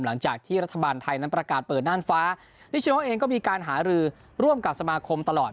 หลังจากที่รัฐบาลไทยนั้นประกาศเปิดน่านฟ้านิชโนเองก็มีการหารือร่วมกับสมาคมตลอด